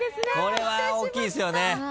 これは大きいっすよね。